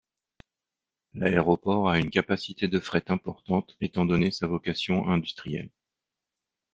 L'aéroport a une capacité de fret importante étant donnée sa vocation industrielle.